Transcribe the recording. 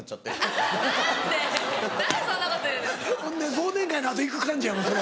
忘年会の後行く感じやもんそれ。